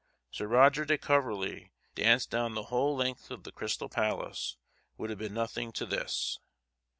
Sir Roger de Coverley, danced down the whole length of the Crystal Palace, would have been nothing to this.